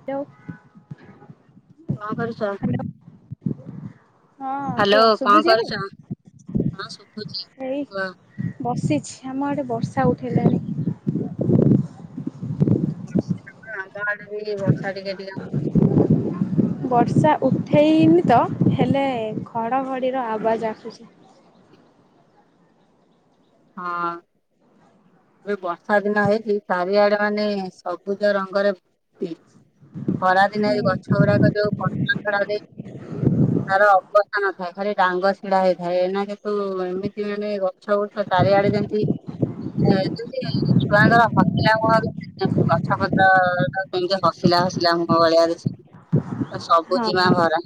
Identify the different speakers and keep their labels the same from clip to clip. Speaker 1: Hello.
Speaker 2: କଣ କରୁଛ?
Speaker 1: ହଁ କୁହ
Speaker 2: ହ୍ୟାଲୋ କଣ
Speaker 1: ଶୁଭୁଛି ଏବେ?
Speaker 2: କରୁଛ ହ ଶୁଭୁଛି।
Speaker 1: ଏଇ ବସିଛି ଆମ ଏଡେ ବର୍ଷା ଉଠେଇଲାଣି।
Speaker 2: ବର୍ଷା ଆନ୍ଧ ଆଡେ ବି ବର୍ଷା ଟିକେ ଟିକେ [unintelligible]
Speaker 1: ବର୍ଷା ଉଠେଇନି ତ ହେଲେ ଘଡ଼ଘଡ଼ିର ଆବାଜ ଆସୁଛି।
Speaker 2: ହଁ। ଏବେ ବର୍ଷା ଦିନ ହେଇଛି ଚାରିଆଡେ ମାନେ ସବୁଜ ରଙ୍ଗରେ ଖରା ଦିନରେ
Speaker 1: ହୁଁ।
Speaker 2: ଗଛ ଗୁଡାକ ଯଉ ଆଖ ତାର ଅବସ୍ଥା ନଥାଏ ଖାଲି ଡାଙ୍ଗ ଛିଡା ହେଇଥାଏ ଏ ନାକ ତୁ ଏମିତି ମାନେ ଗଛ ଗୁଛ ଚାଲିଆଡେ ଯେନ୍ତି ଯଦି ଛୁଆଙ୍କର ମସିଲ ମ କଥା ପତ୍ର ଟା କେମତି ହସିଲା ହସିଲା ମୁହଁ ଭଳିଆ ଦେଖାଯିବ।
Speaker 1: [inaudible]
Speaker 2: ତ
Speaker 1: ହଁ
Speaker 2: ସବୁଜିମା
Speaker 1: ହଁ
Speaker 2: ଭରା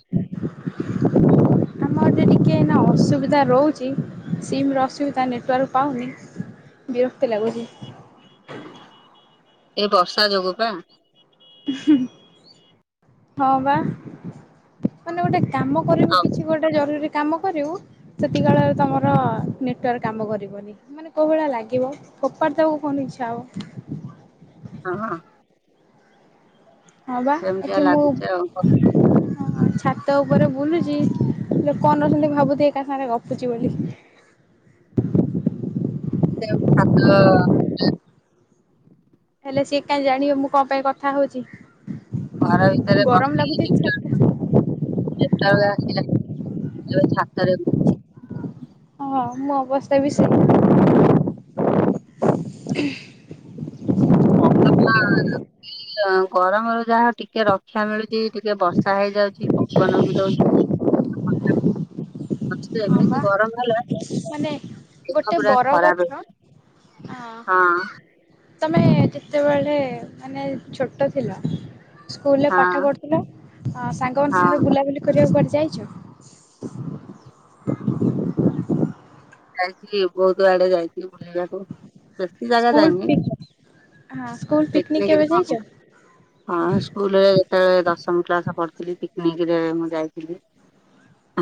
Speaker 1: ଆମର ଯେ ଟିକେ ଏଇନା ଅସୁବିଧା ରହୁଛି ସିମର ଅସୁବିଧା ନେଟୱାର୍କ ପାଉନି ବିରକ୍ତି ଲାଗୁଛି।
Speaker 2: ଏଇ ବର୍ଷା ଯୋଗୁ ପା।
Speaker 1: ହଁ ବା। ମାନେ ଗୋଟେ କାମ କରିବୁ
Speaker 2: ହଁ
Speaker 1: କିଛି ଗୋଟେ ଜରୁରୀ କାମ କରିବୁ ସେତିକବେଳେ ତମର ନେଟୱାର୍କ କାମ କରିବନି। ମାନେ କେଉଁ ଭଳିଆ ଲାଗିବ ଖପାଡ଼ି ଦବାକୁ ଫୋନ୍ ଇଚ୍ଛା ହେବ।
Speaker 2: ହଁ ହଁ।
Speaker 1: ହଁ ବା
Speaker 2: ସେମିତିଆ
Speaker 1: ଏଠି ମୁଁ
Speaker 2: ଲାଗୁଛି ଆଉ।
Speaker 1: ଛାତ ଉପରେ ବୁଲୁଛି ଲୋକ ନଉଛନ୍ତି ଭାବୁଥିବେ କା ସାଙ୍ଗରେ ଗପୁଛି ବୋଲି।
Speaker 2: [inaudible]
Speaker 1: ହେଲେ ସିଏ କାହିଁ ଜାଣିବ ମୁଁ କଣ ପାଇଁ କଥା ହଉଛି।
Speaker 2: ଘର ଭିତରେ ବସିକି ଟିକେ
Speaker 1: ଛାତ
Speaker 2: [inaudible]
Speaker 1: ହଁ ମୁଁ ଅବସ୍ଥାରେ ବିଷୟରେ
Speaker 2: [unintelligible] ଗରମରୁ ଯାହା ଟିକେ ରକ୍ଷା ମିଳୁଛି ଟିକେ ବର୍ଷା ହେଇଯାଉଛି ପବନ ବି ଦଉଛି।
Speaker 1: [inaudible]
Speaker 2: ମଝିରେ
Speaker 1: ହଁ ବା
Speaker 2: ଏମିତି ଗରମ ହେଲା
Speaker 1: ମାନେ
Speaker 2: ଦେହ
Speaker 1: ଗୋଟେ
Speaker 2: ପୁରା
Speaker 1: ବର
Speaker 2: ଖରାପ
Speaker 1: ଗଛ
Speaker 2: ହେଇଛି।
Speaker 1: ଆ
Speaker 2: ହଁ
Speaker 1: ତମେ ଯେତେବେଳେ ମାନେ ଛୋଟ ଥିଲ। ସ୍କୁଲରେ ପାଠ
Speaker 2: ହଁ
Speaker 1: ପଢ଼ୁଥିଲ ସାଙ୍ଗମାନ
Speaker 2: ହଁ
Speaker 1: ସାଙ୍ଗରେ ବୁଲାବୁଲି କରିବାକୁ କୁଆଡେ ଯାଇଛ।
Speaker 2: ଯାଇଥିଲ ବହୁତ ଆଡେ ଯାଇଛି ବୁଲିବାକୁ। ବେଶି ଜାଗା
Speaker 1: ସ୍କୁଲ
Speaker 2: ଯାଇନି।
Speaker 1: ପିକ୍ ହଁ ସ୍କୁଲ ପିକନିକ୍
Speaker 2: ପିକନିକ
Speaker 1: କେବେ
Speaker 2: [unintelligible]
Speaker 1: ଯାଇଚ?
Speaker 2: ହଁ ସ୍କୁଲରେ ଏତେବେଳେ ଦଶମ କ୍ଲାସ ପଢଥିଲି ପିକନିକରେ ମୁଁ ଯାଇଥିଲି।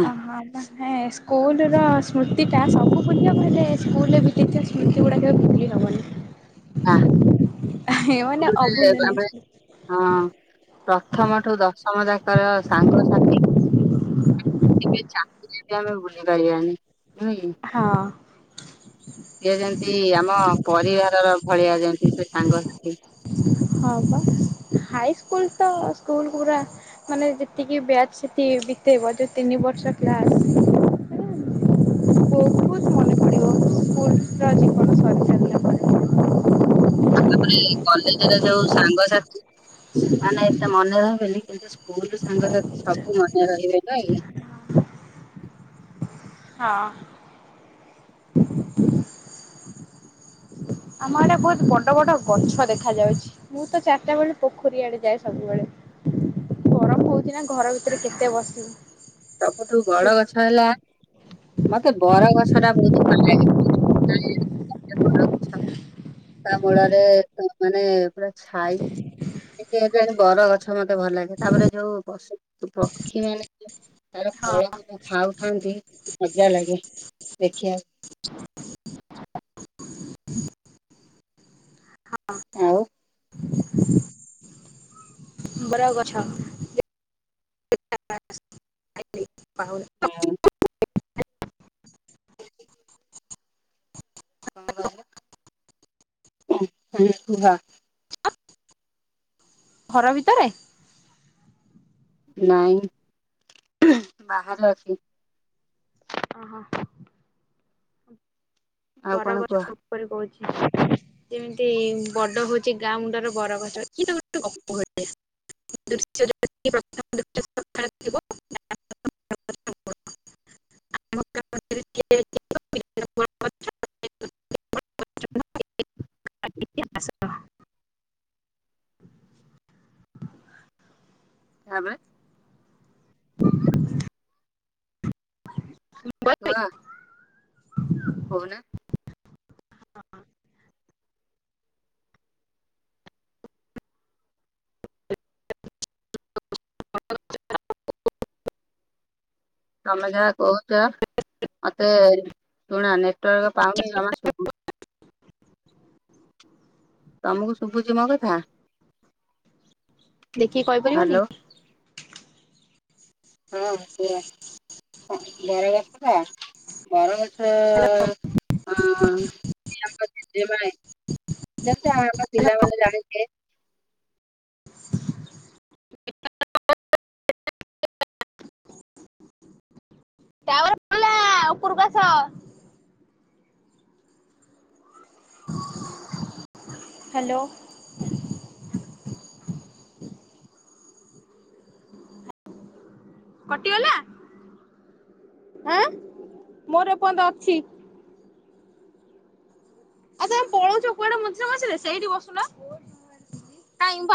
Speaker 1: ଓହୋ ସ୍କୁଲ ର ସ୍ମୃତି ଟା ସବୁୁ [unintelligible] ସ୍କୁଲରେ ସ୍ମୁତି ଗୁଡାକ କେବେ ବିକ୍ରି ହବନି।
Speaker 2: ଆ,
Speaker 1: ହେ ମାନେ
Speaker 2: ସ୍କୁଲରେ
Speaker 1: ଅଭୁଲନିୟ।
Speaker 2: ଆମେ ହଁ ପ୍ରଥମଠୁ ଦଶ ସମ ତାଙ୍କର ସାଙ୍ଗସାଥି [unintelligible] ଆମେ ଭୁଲି ପାରିବାନି ନୁହେଁ କି।
Speaker 1: ହଁ।
Speaker 2: ସିଏ ଯେମତି ଆମ ପରିବାରର ଭଳିଆ ଯେମତି ସେ ସାଙ୍ଗସାଥି।
Speaker 1: ହଁ ବା ହାଇସ୍କୁଲ ତ ସ୍କୁଲକୁ ପୁରା ମାନେ ଯେତିକି ବ୍ୟାଚ୍ ସେତିକି ବିତେଇବ ଯୋଉ ତିନି ବର୍ଷ କ୍ଲାସ ବହୁତ ମନେ ପଡିବ ସ୍କୁଲର ଜୀବନ ସରିଗଲା।
Speaker 2: ତାପରେ କଲେଜରେ ଯୋଉ ସାଙ୍ଗସାଥି ସେମାନେ ଏତେ ମନେ ରହିବେନି। କିନ୍ତୁ ସ୍କୁଲ ସାଙ୍ଗସାଥି ସବୁ ମନେ ରହିବେ ନାଇଁ।
Speaker 1: ହଁ। ଆମ ଆଡେ ବହୁତ ବଡ ବଡ ଗଛ ଦେଖା ଯାଉଛି। ମୁଁ ତ ଚାରିଟା ବେଳେ ପୋଖରୀ ଆଡେ ଯାଏ ସବୁବେଳେ। ଗରମ ହଉଛି ନା ଘର ଭିତରେ କେତେ ବସିବି।
Speaker 2: ସବୁଠୁ ବଡ ଗଛ ହେଲା ମତେ ବର ଗଛ ଟା ବହୁତ ଭଲ ଲାଗେ। [unintelligible] ତା ମୂଳରେ ମାନେ ପୁରା ଛାଇ। କାହିଁକି କେଜାଣି ବର ଗଛ ମତେ ଭଲ ଲାଗେ। ତାପରେ ଯୋଉ ପଶୁ ପକ୍ଷୀ ମାନେ ତାର
Speaker 1: ହଁ
Speaker 2: ଫଳକୁ ଯୋଉ ଖାଉଥାନ୍ତି ମଜା ଲାଗେ ଦେଖିବାକୁ।
Speaker 1: ହଁ। ବରଗଛ। ଆ ପାହୁନ।
Speaker 2: ହଁ। [unintelligible] କଣ କହିଲେ?
Speaker 1: ଘର ଭିତରେ।
Speaker 2: ନାଇଁ ବାହାରେ ଅଛି।
Speaker 1: ଓହୋ।
Speaker 2: ଆଉ କଣ କୁହ
Speaker 1: ବରଗଛ ଉପରେ କହୁଛି। ଯେମିତି ବଡ ହଉଛି ଗାଁ ମୁଣ୍ଡର ବରଗଛ ଏଇଟା ଗୋଟେ ଗପ ଗୋଟେ। [unintelligible] [unintelligible] [unintelligible]
Speaker 2: ତାପରେ।
Speaker 1: [unintelligible]
Speaker 2: ଉଁ ଅ। କହୁନା।
Speaker 1: ହଁ।
Speaker 2: ତମେ ଯାହା କହୁଛ ମତେ ଶୁଣ ନେଟୱାର୍କ ପାଉନି ଜମା ଶୁଭୁନି।
Speaker 1: [inaudible]
Speaker 2: ତମକୁ ଶୁଭୁଛି ମୋ କଥା?
Speaker 1: ଦେଖିକି କହିପାରିବନି।
Speaker 2: ହ୍ୟାଲୋ ହଁ ପୁରା [unintelligible] ହଁ।
Speaker 1: ହ୍ୟାଲୋ
Speaker 2: [unintelligible] [unintelligible]
Speaker 1: ଟାୱର ପାଇଲା ଉପରକୁ ଆସ। ହ୍ୟାଲୋ। କଟିଗଲା ଆଁ ମୋର ଏ ପର୍ଯ୍ୟନ୍ତ ଅଛି। ଆ ତମେ ପଳଉଛୁ କୁଆଡେ ମଝିରେ ମଝିରେ ସେଇଠି ବସୁନ କାଇଁ